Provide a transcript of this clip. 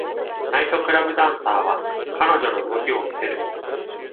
ナイトクラブ・ダンサーは彼女の動きを見せる。